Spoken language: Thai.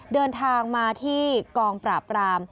เดินทางมาที่กองปราบราม